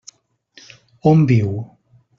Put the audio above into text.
On viu?